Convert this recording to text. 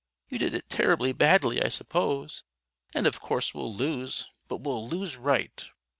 You did it terribly badly I suppose, and of course we'll lose. But we'll 'lose right.'